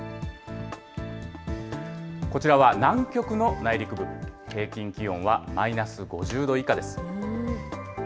こちらは南極の内陸部、平均気温はマイナス５０度以下です。